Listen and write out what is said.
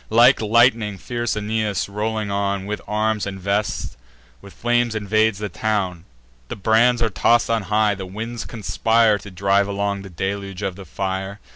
Like lightning, fierce Aeneas, rolling on, With arms invests, with flames invades the town: The brands are toss'd on high; the winds conspire To drive along the deluge of the fire.